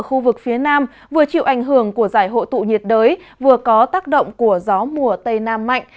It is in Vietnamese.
khu vực phía nam vừa chịu ảnh hưởng của giải hội tụ nhiệt đới vừa có tác động của gió mùa tây nam mạnh